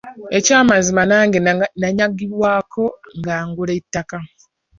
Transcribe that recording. Ekyamazima nange nanyagibwako nga ngula ettaka.